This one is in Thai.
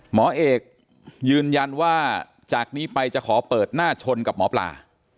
หมอเอกยืนยันว่าจากนี้ไปจะขอเปิดหน้าชนกับหมอปลา